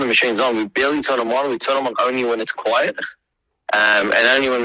di aplikasi layanan pengiriman